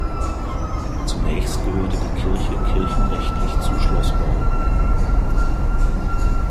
Zunächst gehörte die Kirche kirchenrechtlich zu Schloßborn.